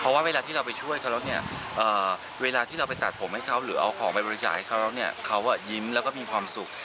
เพราะว่าเวลาที่เราไปช่วยเขาแล้วเนี่ยเวลาที่เราไปตัดผมให้เขาหรือเอาของไปบริจาคให้เขาแล้วเนี่ยเขายิ้มแล้วก็มีความสุข